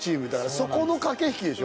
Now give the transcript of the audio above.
そこの駆け引きでしょ？